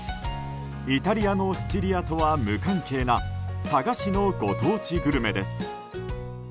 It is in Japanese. イタリアのシチリアとは無関係な佐賀市のご当地グルメです。